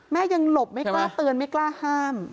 ยังหลบไม่กล้าเตือนไม่กล้าห้าม